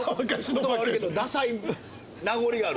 言葉悪いけどダサい名残がある。